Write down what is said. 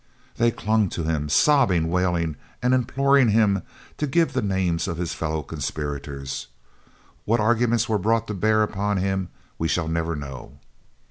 They clung to him, sobbing, wailing, and imploring him to give the names of his fellow conspirators. What arguments were brought to bear upon him we shall never know.